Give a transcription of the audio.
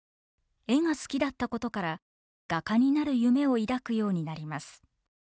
絵が好きだったことから画家になる夢を抱くようになります。